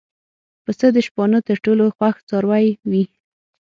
پسه د شپانه تر ټولو خوښ څاروی وي.